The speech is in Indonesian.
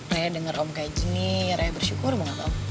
raya denger om kayak gini raya bersyukur banget om